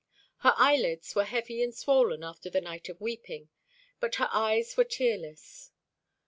Her eyelids were heavy and swollen after the night of weeping, but her eyes were tearless.